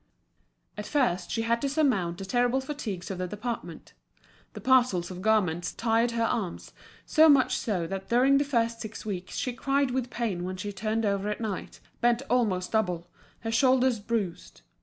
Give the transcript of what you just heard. At first she had to surmount the terrible fatigues of the department The parcels of garments tired her arms, so much so that during the first six weeks she cried with pain when she turned over at night, bent almost double, her shoulders bruised.